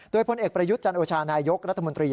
โดยพลเอกประยุทธ์จันโอชานายกรัฐมนตรี